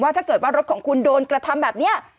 ถ้าเกิดว่ารถของคุณโดนกระทำแบบนี้